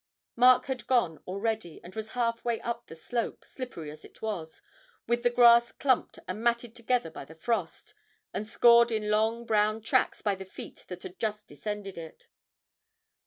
Mark had gone already, and was half way up the slope, slippery as it was, with the grass clumped and matted together by the frost, and scored in long brown tracks by the feet that had just descended it.